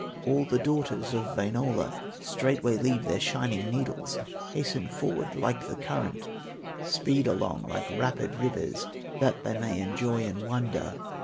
All the daughters of Wainola Straightway leave their shining needles, Hasten forward like the current, Speed along like rapid rivers, That they may enjoy and wonder.